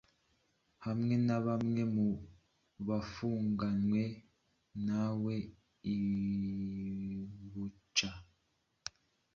hamwe na bamwe mu bafunganywe nawe i Bucca,